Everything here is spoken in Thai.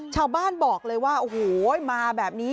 ชาวบ้านบอกเลยว่าโอ้โหมาแบบนี้